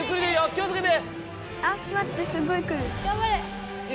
気をつけて。